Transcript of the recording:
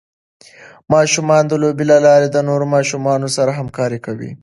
ماشومان د لوبو له لارې د نورو ماشومانو سره همکاري کوي.